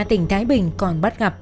tỉnh thái bình còn bắt gặp